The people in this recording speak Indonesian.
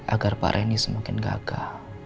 agar pak randy semakin gagal